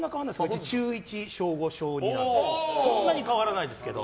うち、中１、小５、小２なのでそんなに変わらないですけど。